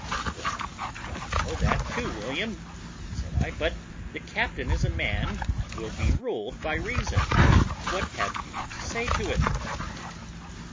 "Well, I know that too, William," said I, "but the captain is a man will be ruled by reason; what have you to say to it?"